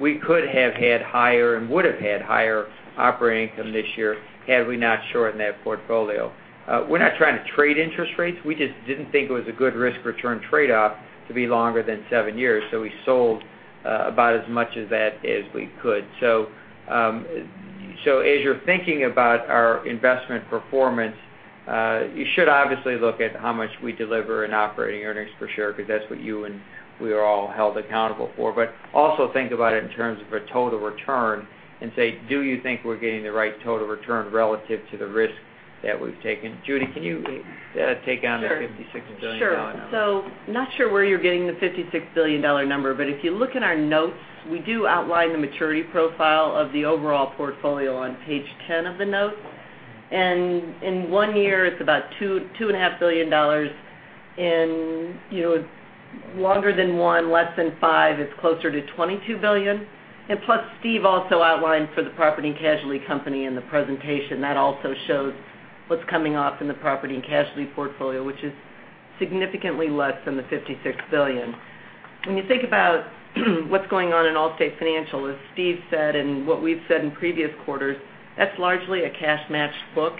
We could have had higher, and would have had higher operating income this year had we not shortened that portfolio. We're not trying to trade interest rates. We just didn't think it was a good risk return trade-off to be longer than seven years, we sold about as much of that as we could. As you're thinking about our investment performance, you should obviously look at how much we deliver in operating earnings per share, because that's what you and we are all held accountable for. Also think about it in terms of a total return and say, do you think we're getting the right total return relative to the risk that we've taken? Judy, can you take on the $56 billion number? Sure. Not sure where you're getting the $56 billion number, if you look in our notes, we do outline the maturity profile of the overall portfolio on page 10 of the notes. In one year, it's about $2.5 billion. In longer than one, less than five, it's closer to $22 billion. Plus, Steve also outlined for the property and casualty company in the presentation, that also shows what's coming off in the property and casualty portfolio, which is significantly less than the $56 billion. When you think about what's going on in Allstate Financial, as Steve said and what we've said in previous quarters, that's largely a cash-matched book.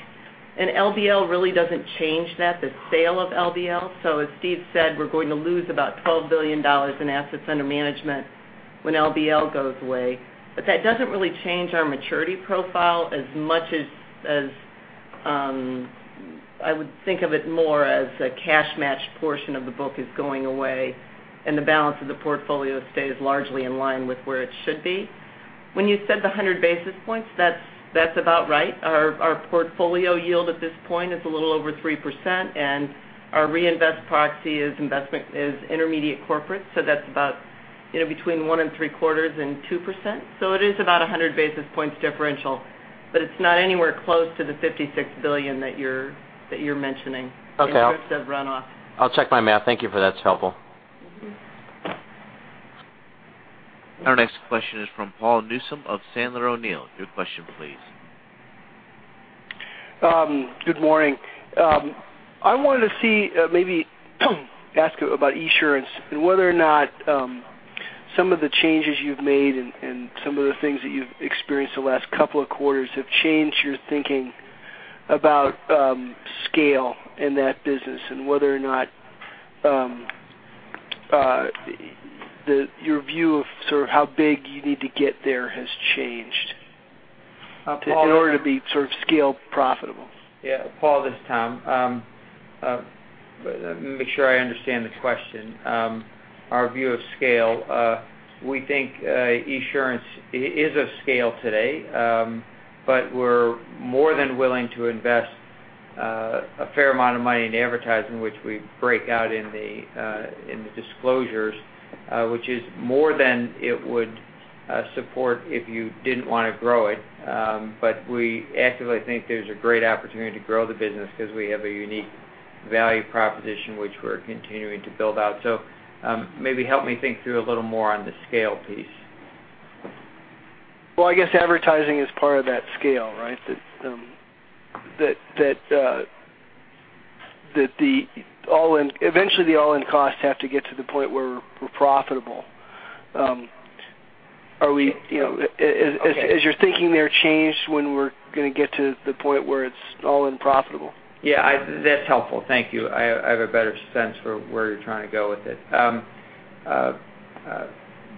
LBL really doesn't change that, the sale of LBL. As Steve said, we're going to lose about $12 billion in assets under management when LBL goes away. That doesn't really change our maturity profile as much as I would think of it more as a cash match portion of the book is going away and the balance of the portfolio stays largely in line with where it should be. When you said the 100 basis points, that's about right. Our portfolio yield at this point is a little over 3%, and our reinvest proxy is intermediate corporate, that's about between one and three quarters and 2%. It is about 100 basis points differential. It's not anywhere close to the $56 billion that you're mentioning in terms of runoff. Okay. I'll check my math. Thank you for that. It's helpful. Our next question is from Paul Newsome of Sandler O'Neill. Your question, please. Good morning. I wanted to see, maybe ask about Esurance and whether or not some of the changes you've made and some of the things that you've experienced the last couple of quarters have changed your thinking about scale in that business and whether or not your view of sort of how big you need to get there has changed in order to be sort of scale profitable. Yeah. Paul, this is Tom. Let me make sure I understand the question. Our view of scale. We think Esurance is of scale today, we're more than willing to invest a fair amount of money in advertising, which we break out in the disclosures which is more than it would support if you didn't want to grow it. We actively think there's a great opportunity to grow the business because we have a unique value proposition which we're continuing to build out. Maybe help me think through a little more on the scale piece. Well, I guess advertising is part of that scale, right? That eventually the all-in costs have to get to the point where we're profitable. Okay. Has your thinking there changed when we're going to get to the point where it's all unprofitable? Yeah. That's helpful. Thank you. I have a better sense for where you're trying to go with it.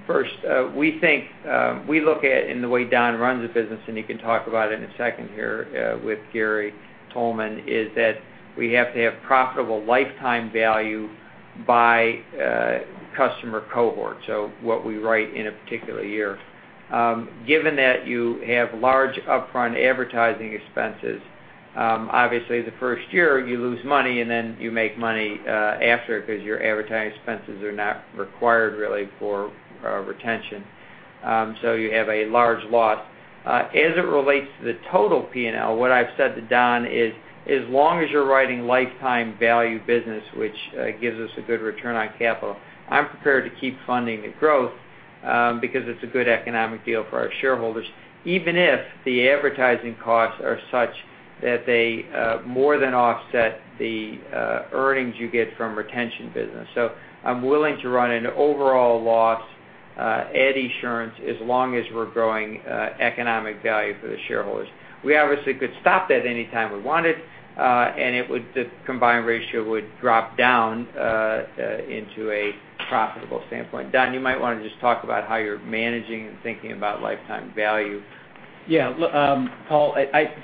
First, we look at, and the way Don runs the business, and he can talk about it in a second here with Gary Tolman, is that we have to have profitable lifetime value by customer cohort, so what we write in a particular year. Given that you have large upfront advertising expenses, obviously the first year you lose money and then you make money after because your advertising expenses are not required really for retention. You have a large loss. As it relates to the total P&L, what I've said to Don is, as long as you're writing lifetime value business, which gives us a good return on capital, I'm prepared to keep funding the growth because it's a good economic deal for our shareholders, even if the advertising costs are such that they more than offset the earnings you get from retention business. I'm willing to run an overall loss at Esurance as long as we're growing economic value for the shareholders. We obviously could stop that anytime we wanted, and the combined ratio would drop down into a profitable standpoint. Don, you might want to just talk about how you're managing and thinking about lifetime value. Paul Newsome,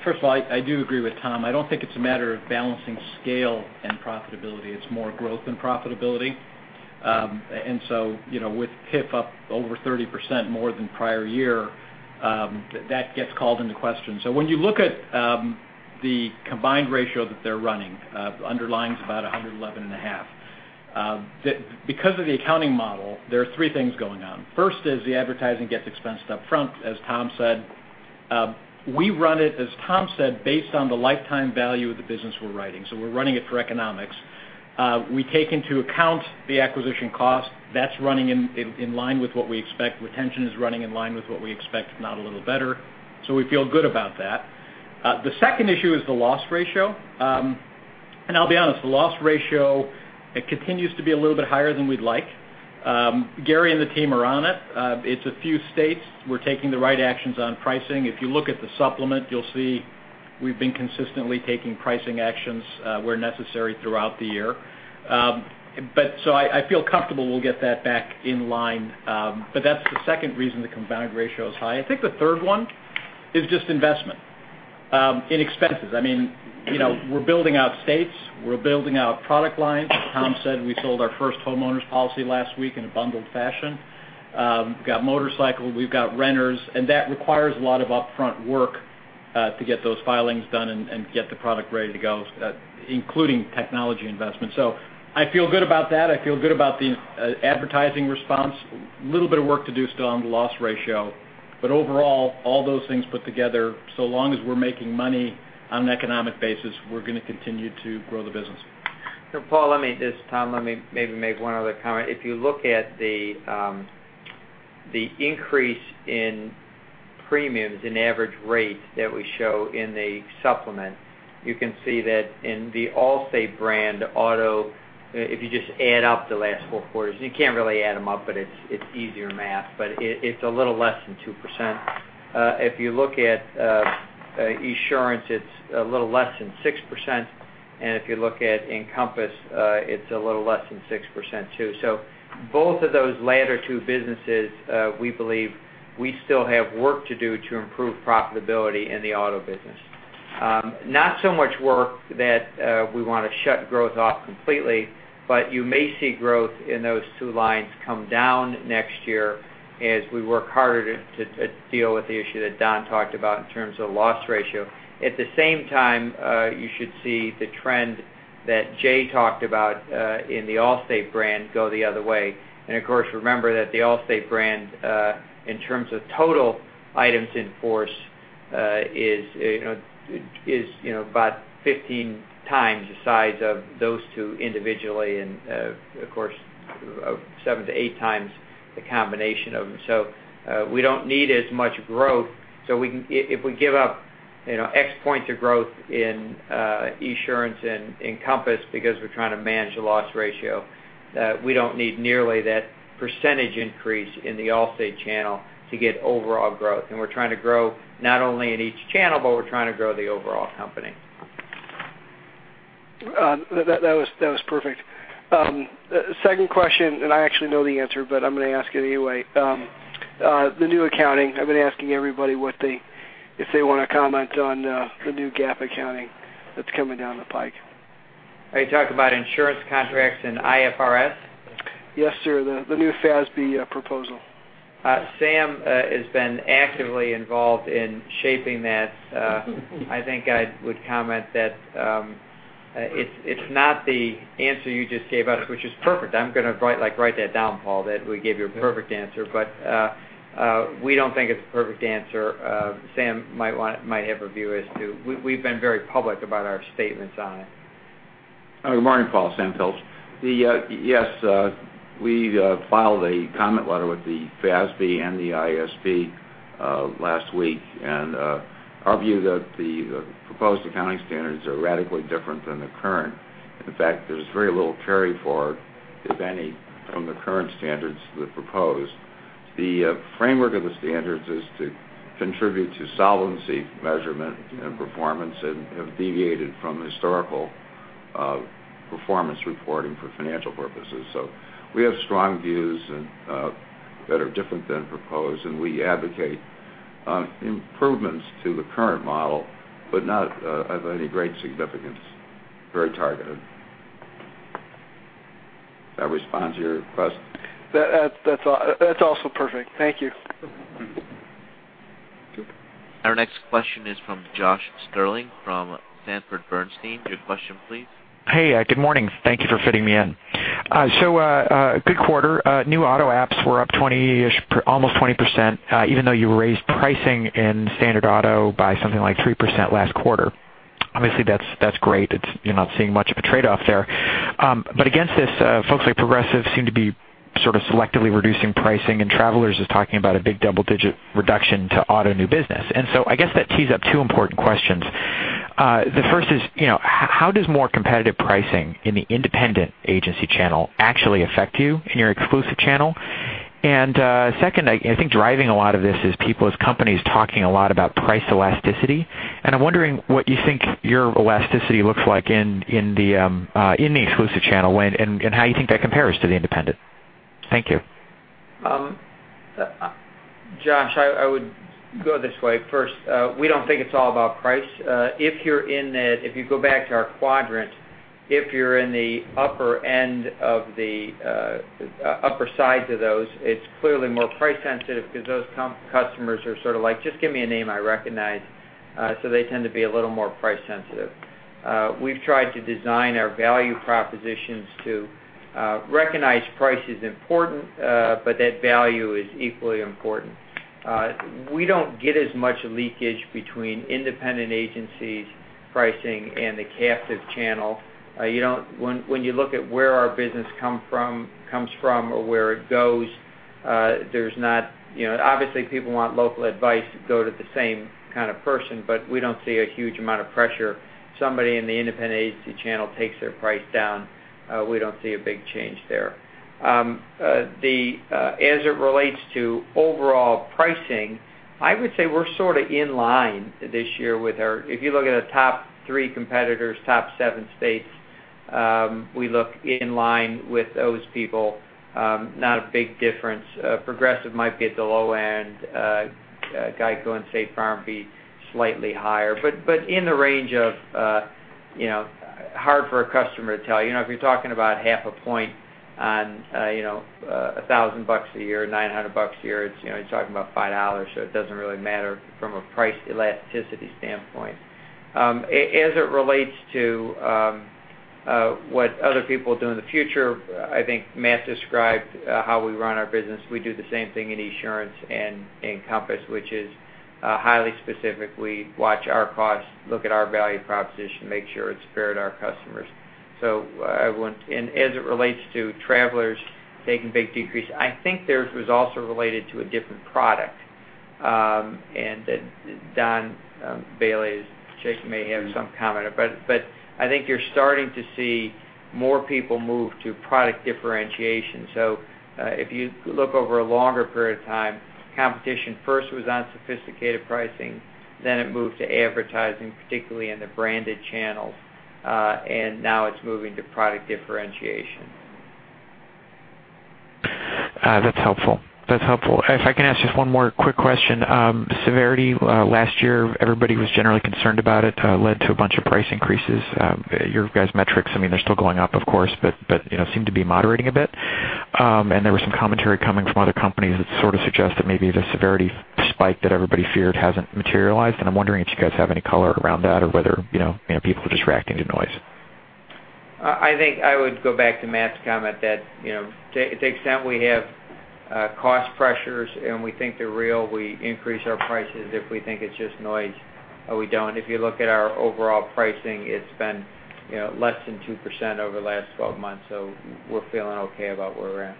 first of all, I do agree with Thomas J. Wilson. I do not think it is a matter of balancing scale and profitability. It is more growth and profitability. With PIP up over 30% more than prior year, that gets called into question. When you look at the combined ratio that they are running, underlying's about 111.5%. Because of the accounting model, there are three things going on. First is the advertising gets expensed up front, as Thomas J. Wilson said. We run it, as Thomas J. Wilson said, based on the lifetime value of the business we are writing. We are running it for economics. We take into account the acquisition cost. That is running in line with what we expect. Retention is running in line with what we expect, if not a little better. We feel good about that. The second issue is the loss ratio. I will be honest, the loss ratio, it continues to be a little bit higher than we would like. Gary Tolman and the team are on it. It is a few states. We are taking the right actions on pricing. If you look at the supplement, you will see we have been consistently taking pricing actions where necessary throughout the year. I feel comfortable we will get that back in line. That is the second reason the combined ratio is high. I think the third one is just investment in expenses. We are building out states, we are building out product lines. As Thomas J. Wilson said, we sold our first House & Home policy last week in a bundled fashion. We have got Allstate motorcycle, we have got Allstate renters, and that requires a lot of upfront work to get those filings done and get the product ready to go, including technology investment. I feel good about that. I feel good about the advertising response. Little bit of work to do still on the loss ratio. Overall, all those things put together, so long as we are making money on an economic basis, we are going to continue to grow the business. Paul Newsome, this is Thomas J. Wilson. Let me maybe make one other comment. If you look at the increase in premiums and average rates that we show in the supplement, you can see that in the Allstate brand auto, if you just add up the last four quarters, you cannot really add them up, it is easier math, it is a little less than 2%. If you look at Esurance, it is a little less than 6%. If you look at Encompass, it is a little less than 6%, too. Both of those latter two businesses we believe we still have work to do to improve profitability in the auto business. Not so much work that we want to shut growth off completely, but you may see growth in those two lines come down next year as we work harder to deal with the issue that Don talked about in terms of loss ratio. Of course, remember that the Allstate brand, in terms of total items in force, is about 15 times the size of those two individually and, of course, seven to eight times the combination of them. We don't need as much growth. If we give up X points of growth in Esurance and Encompass because we're trying to manage the loss ratio, we don't need nearly that percentage increase in the Allstate channel to get overall growth. We're trying to grow not only in each channel, but we're trying to grow the overall company. That was perfect. Second question, I actually know the answer, but I'm going to ask it anyway. The new accounting, I've been asking everybody if they want to comment on the new GAAP accounting that's coming down the pike. Are you talking about insurance contracts and IFRS? Yes, sir. The new FASB proposal. Sam has been actively involved in shaping that. I think I would comment that It's not the answer you just gave us, which is perfect. I'm going to write that down, Paul, that we gave you a perfect answer, but we don't think it's a perfect answer. Sam might have a view as to. We've been very public about our statements on it. Good morning, Paul. Samuel Pilch. Yes, we filed a comment letter with the FASB and the IASB last week, and our view that the proposed accounting standards are radically different than the current. In fact, there's very little carry forward, if any, from the current standards to the proposed. The framework of the standards is to contribute to solvency measurement and performance and have deviated from historical performance reporting for financial purposes. We have strong views that are different than proposed, and we advocate improvements to the current model, but not of any great significance, very targeted. That responds to your request? That's also perfect. Thank you. Our next question is from Josh Stirling from Sanford Bernstein. Your question, please. Good quarter. New auto apps were up almost 20%, even though you raised pricing in standard auto by something like 3% last quarter. Obviously, that's great. You're not seeing much of a trade-off there. Against this, folks like Progressive seem to be sort of selectively reducing pricing, and Travelers is talking about a big double-digit reduction to auto new business. I guess that tees up two important questions. The first is, how does more competitive pricing in the independent agency channel actually affect you in your exclusive channel? Second, I think driving a lot of this is people as companies talking a lot about price elasticity. I am wondering what you think your elasticity looks like in the exclusive channel, and how you think that compares to the independent. Thank you. Josh, I would go this way. First, we don't think it's all about price. If you go back to our quadrant, if you're in the upper end of the upper sides of those, it's clearly more price sensitive because those customers are sort of like, "Just give me a name I recognize." They tend to be a little more price sensitive. We've tried to design our value propositions to recognize price is important, but that value is equally important. We don't get as much leakage between independent agencies' pricing and the captive channel. When you look at where our business comes from or where it goes, obviously people want local advice go to the same kind of person, but we don't see a huge amount of pressure. Somebody in the independent agency channel takes their price down, we don't see a big change there. As it relates to overall pricing, I would say we're sort of in line this year with our-- If you look at the top three competitors, top seven states, we look in line with those people. Not a big difference. Progressive might be at the low end. GEICO and State Farm be slightly higher. But in the range of hard for a customer to tell. If you're talking about half a point on a thousand bucks a year, 900 bucks a year, you're talking about $5. It doesn't really matter from a price elasticity standpoint. As it relates to what other people do in the future, I think Matt described how we run our business. We do the same thing in Esurance and Encompass, which is highly specific. We watch our costs, look at our value proposition, make sure it's fair to our customers. As it relates to Travelers taking big decreases, I think theirs was also related to a different product. Don Bailey may have some comment, but I think you're starting to see more people move to product differentiation. If you look over a longer period of time, competition first was on sophisticated pricing, it moved to advertising, particularly in the branded channels. Now it's moving to product differentiation. That's helpful. If I can ask just one more quick question. Severity, last year, everybody was generally concerned about it. Led to a bunch of price increases. Your guys' metrics, they're still going up, of course, but seem to be moderating a bit. There was some commentary coming from other companies that sort of suggest that maybe the severity spike that everybody feared hasn't materialized, and I'm wondering if you guys have any color around that or whether people are just reacting to noise. I think I would go back to Matt's comment that to the extent we have cost pressures and we think they're real, we increase our prices. If we think it's just noise, we don't. If you look at our overall pricing, it's been less than 2% over the last 12 months. We're feeling okay about where we're at.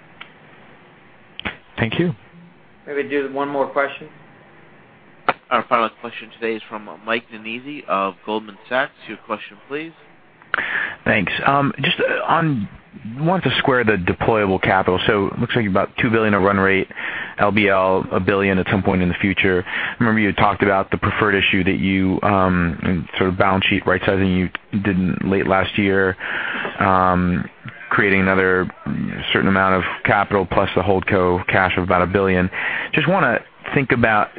Thank you. Maybe do one more question. Our final question today is from Michael Nannizzi of Goldman Sachs. Your question, please. Thanks. Looks like about $2 billion of run rate, LBL $1 billion at some point in the future. Remember, you had talked about the preferred issue that you sort of balance sheet rightsizing you did late last year, creating another certain amount of capital plus the hold co cash of about $1 billion. Want to think about,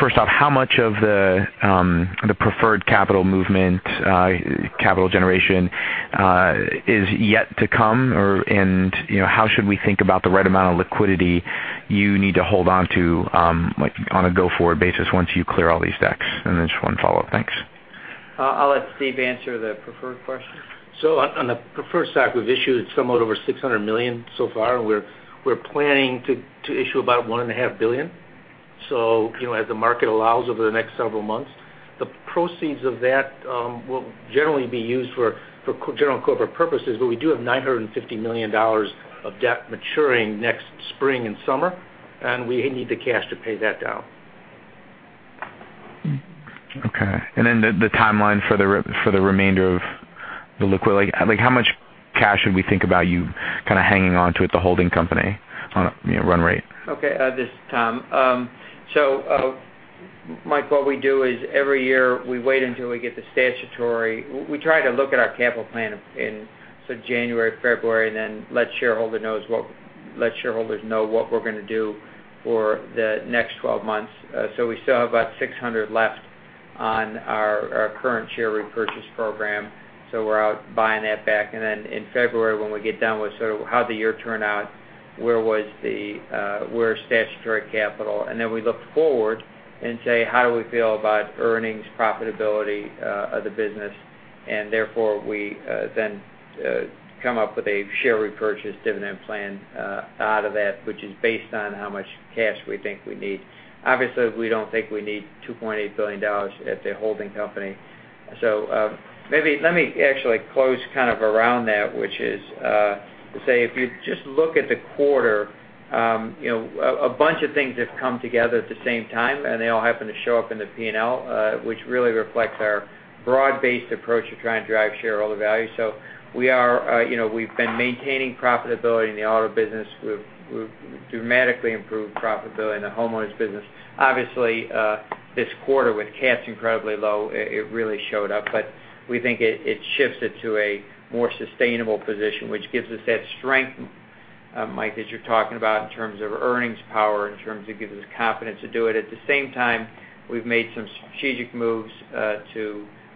first off, how much of the preferred capital movement, capital generation is yet to come, and how should we think about the right amount of liquidity you need to hold onto on a go-forward basis once you clear all these decks? Just one follow-up. Thanks. I'll let Steve answer the preferred question. On the preferred stock, we've issued somewhat over $600 million so far, and we're planning to issue about $one and a half billion. As the market allows over the next several months. The proceeds of that will generally be used for general and corporate purposes. We do have $950 million of debt maturing next spring and summer, and we need the cash to pay that down. Okay. The timeline for the remainder of the liquidity. How much cash should we think about you hanging on to at the holding company on a run rate? Okay. This is Tom. Mike, what we do is every year, we wait until we get the statutory. We try to look at our capital plan in January, February, and then let shareholders know what we're going to do for the next 12 months. We still have about $600 million left on our current share repurchase program, so we're out buying that back. In February, when we get done with sort of how'd the year turn out, where was statutory capital? We look forward and say, how do we feel about earnings profitability of the business? We then come up with a share repurchase dividend plan out of that, which is based on how much cash we think we need. Obviously, we don't think we need $2.8 billion at the holding company. Maybe let me actually close kind of around that, which is to say, if you just look at the quarter, a bunch of things have come together at the same time, and they all happen to show up in the P&L which really reflects our broad-based approach to trying to drive shareholder value. We've been maintaining profitability in the auto business. We've dramatically improved profitability in the homeowners business. Obviously, this quarter with CATs incredibly low, it really showed up, but we think it shifts it to a more sustainable position, which gives us that strength, Mike, as you're talking about in terms of earnings power, in terms of giving us confidence to do it. At the same time, we've made some strategic moves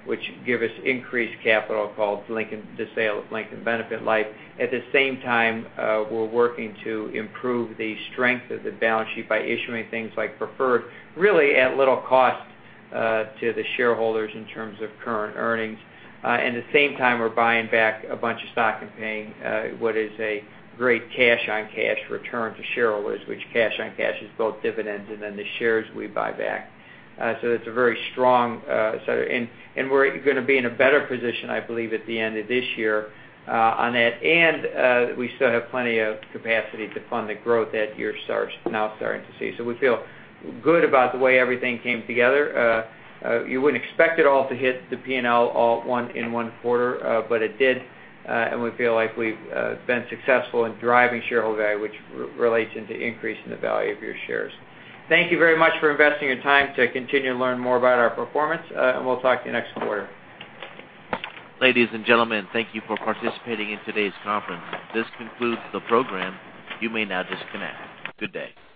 which give us increased capital called the sale of Lincoln Benefit Life. At the same time, we're working to improve the strength of the balance sheet by issuing things like preferred, really at little cost to the shareholders in terms of current earnings. The same time, we're buying back a bunch of stock and paying what is a great cash on cash return to shareholders, which cash on cash is both dividends and then the shares we buy back. We're going to be in a better position, I believe, at the end of this year on it. We still have plenty of capacity to fund the growth that you're now starting to see. We feel good about the way everything came together. You wouldn't expect it all to hit the P&L all in one quarter, it did. We feel like we've been successful in driving shareholder value, which relates into increasing the value of your shares. Thank you very much for investing your time to continue to learn more about our performance, and we'll talk to you next quarter. Ladies and gentlemen, thank you for participating in today's conference. This concludes the program. You may now disconnect. Good day.